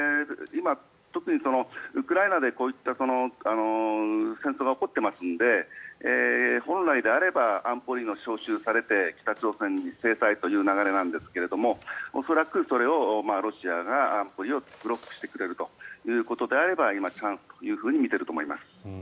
今、特にウクライナでこういった戦争が起こっていますので本来であれば安保理が召集されて北朝鮮に制裁という流れなんですが恐らくそれをロシアが安保理をブロックしてくれるということであれば今、チャンスとみていると思います。